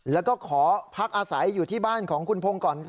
แล้วก็ขอพักอาศัยอยู่ที่บ้านของคุณพงศ์ก่อน